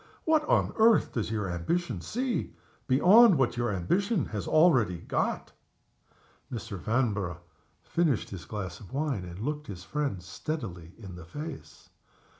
What on earth does your ambition see, beyond what your ambition has already got?" Mr. Vanborough finished his glass of wine, and looked his friend steadily in the face.